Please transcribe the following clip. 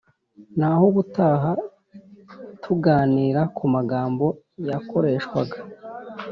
Nahubutaha tuganira ku magambo yakoreshwaga